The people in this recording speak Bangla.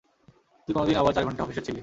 তুই কোনদিন আবার চার ঘন্টা অফিসে ছিলি।